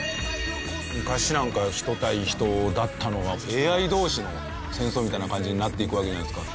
昔なんか人対人だったのがＡＩ同士の戦争みたいな感じになっていくわけじゃないですか。